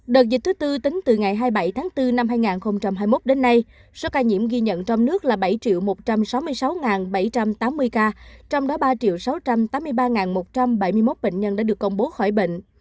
đợt dịch thứ tư tính từ ngày hai mươi bảy tháng bốn năm hai nghìn hai mươi một đến nay số ca nhiễm ghi nhận trong nước là bảy một trăm sáu mươi sáu bảy trăm tám mươi ca trong đó ba sáu trăm tám mươi ba một trăm bảy mươi một bệnh nhân đã được công bố khỏi bệnh